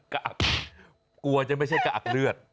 กากกลัวจะไม่ใช่กากเลือด